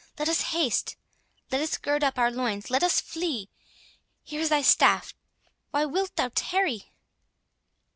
—Let us haste—let us gird up our loins—let us flee!—Here is thy staff, why wilt thou tarry?"